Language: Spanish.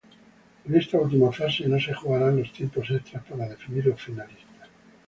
En esta última fase no se jugarán los tiempos extras para definir los finalistas.